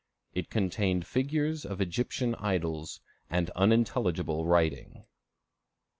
It contained figures of Egyptian idols, and unintelligible writing.